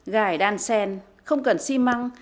gải đan sen không cần xi măng